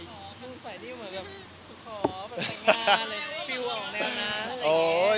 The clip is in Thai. มึงใส่นี่เหมือนกับสุขอบอะไรง่าอะไรฟิลล์ของแนวน้ำอะไรอย่างนี้